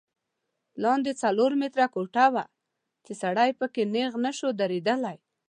لاندې څلور متره کوټه وه چې سړی په کې نیغ نه شو درېدلی.